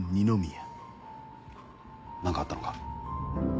何かあったのか？